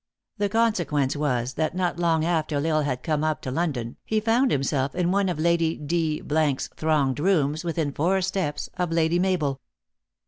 The consequence was, that not long after L Isle had come up to London, he found himself in one of Lady D s thronged rooms, within four steps of Lady Mabel.